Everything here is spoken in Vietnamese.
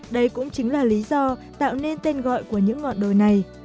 đây cũng chính là lý do tạo nên tên gọi của những ngọn đồi này